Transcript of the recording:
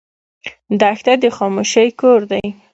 دښته د خاموشۍ کور دی.